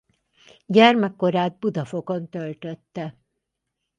Gyermekkorát Budafokon töltötte.